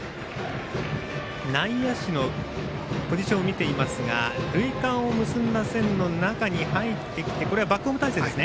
内野手のポジションを見ていますが塁間を結んだ線の中に入ってきてこれはバックホーム態勢ですね。